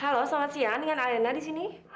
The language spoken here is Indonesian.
halo selamat siang dengan alena di sini